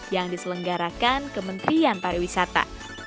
yang diselenggarakan kementerian pariwisata